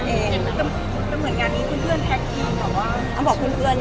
มันก็เหมือนงานนี้คุณเพื่อนแพ็คทีแต่ว่า